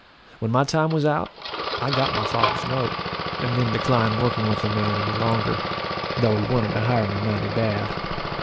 When my time was out, I got my father's note, and then declined working with the man any longer, though he wanted to hire me mighty bad.